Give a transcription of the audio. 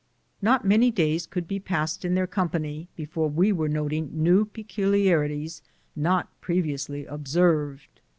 Not many days could be passed in their company before we were noticing new peculi arities not previously observed.